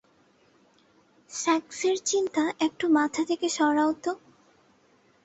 সেক্সের চিন্তা একটু মাথা থেকে সরাও তো।